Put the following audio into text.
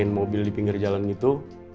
aku beli mobil di pinggir jalan gitu